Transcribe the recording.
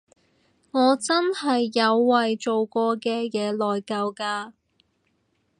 我真係有為做過嘅嘢內疚㗎